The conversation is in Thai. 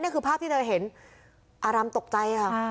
นี่คือภาพที่เธอเห็นอารำตกใจค่ะ